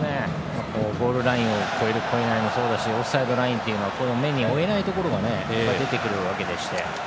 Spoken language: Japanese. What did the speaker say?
ゴールラインを越える、越えないもそうですしオフサイドラインも目に追えないところがいっぱい出てくるわけでして。